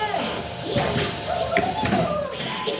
いやいやそれほどでもってバイト！